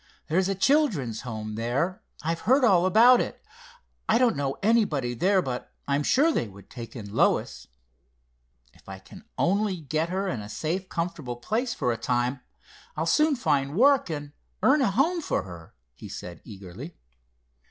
"There's a children's home there. I've heard all about it. I don't know anybody there, but I'm sure they would take in Lois. If I can only get her in a safe, comfortable place for a time, I'll soon find work, and earn a home for her," he said eagerly.